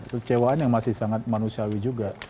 kecewaan yang masih sangat manusiawi juga